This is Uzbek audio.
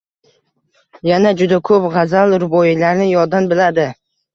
Yana juda ko`p g`azal-ruboiylarni yoddan biladi